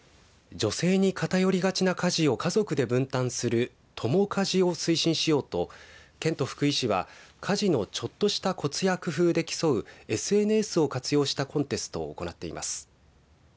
女性に偏りがちな家事を家族で分担する共家事を推進しようと県と福井市は家事のちょっとしたこつや工夫で競うＳＮＳを活用したコンテストを行っています。